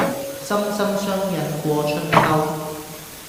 心心相印過春秋